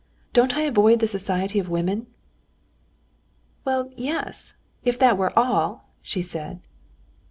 Don't I avoid the society of women?" "Well, yes! If that were all!" she said.